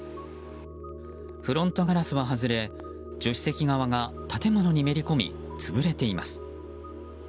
フロントガラスは外れ助手席側が建物にめり込み潰れています。